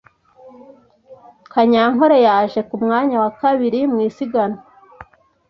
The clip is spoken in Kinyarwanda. Kanyankore yaje ku mwanya wa kabiri mu isiganwa.